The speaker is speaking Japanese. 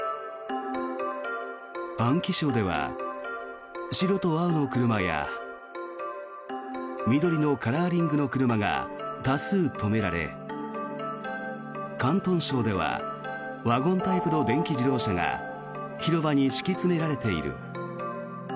安徽省では白と青の車や緑のカラーリングの車が多数、止められ広東省ではワゴンタイプの電気自動車が広場に敷き詰められている。